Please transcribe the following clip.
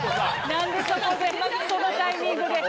何でそこでそのタイミングで。